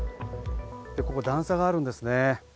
ここ段差があるんですね。